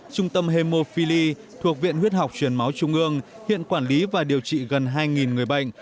trung tâm hemophili thuộc viện huyết học truyền máu trung ương hiện quản lý và điều trị gần hai người bệnh